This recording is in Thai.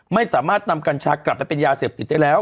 ไม่สามารถนำกัญชากลับไปเป็นยาเสพติดได้แล้ว